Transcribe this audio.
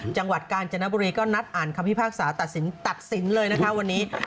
จังหวัดกาญจนบุรีก็นัดอ่านคำพิพากษาตัดสินตัดสินเลยนะคะวันนี้